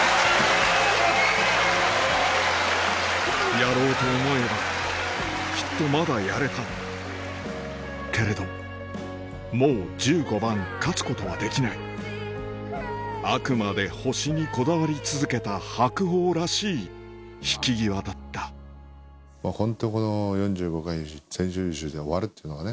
やろうと思えばきっとまだやれたけれどもう十五番勝つことはできないあくまで星にこだわり続けた白鵬らしい引き際だったホントこの４５回全勝優勝で終わるっていうのがね